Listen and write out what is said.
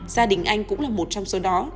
gia đình anh cũng là một trong số đó